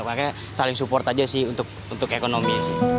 makanya saling support aja sih untuk ekonomi sih